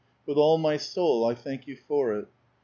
With all my soul I thank you for it.